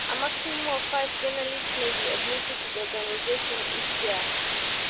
A maximum of five journalists may be admitted to the organization each year.